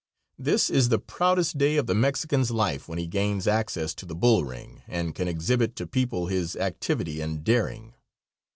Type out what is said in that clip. This is the proudest day of the Mexican's life when he gains access to the bull ring and can exhibit to people his activity and daring.